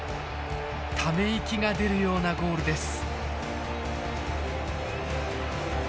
ため息が出るようなゴールです。